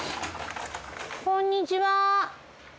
こんにちは。